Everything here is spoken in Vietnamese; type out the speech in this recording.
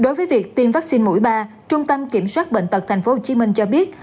đối với việc tiêm vaccine mũi ba trung tâm kiểm soát bệnh tật tp hcm cho biết